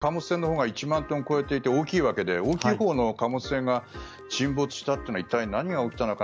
一方の貨物船のほうが１万トンを超えていて大きいわけで大きいほうの貨物船が沈没したというのは一体、何が起きたのか。